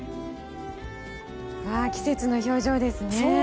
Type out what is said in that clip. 季節の表情ですね。